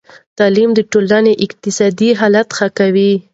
تعلیم د ټولنې اقتصادي حالت ښه کوي.